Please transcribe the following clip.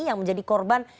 yang menjadi korban